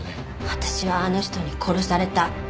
私はあの人に殺された。